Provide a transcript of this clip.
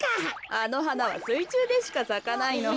あのはなはすいちゅうでしかさかないの。